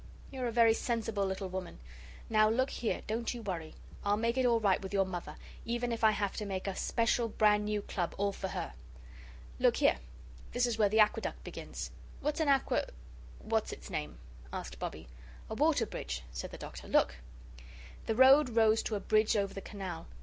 You're a very sensible little woman. Now look here, don't you worry. I'll make it all right with your Mother, even if I have to make a special brand new Club all for her. Look here, this is where the Aqueduct begins." "What's an Aque what's its name?" asked Bobbie. "A water bridge," said the Doctor. "Look." The road rose to a bridge over the canal.